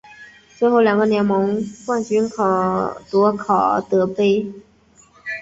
最后两个联盟冠军夺考尔德杯。